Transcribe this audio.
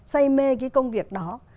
say mê cái công việc đó